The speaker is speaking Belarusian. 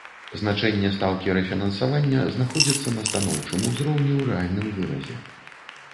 Значэнне стаўкі рэфінансавання знаходзіцца на станоўчым узроўні ў рэальным выразе.